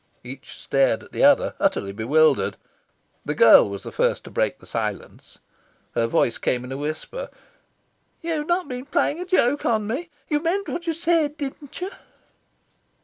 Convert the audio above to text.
Each stared at the other, utterly bewildered. The girl was the first to break the silence. Her voice came in a whisper. "You've not been playing a joke on me? You meant what you said, didn't you?"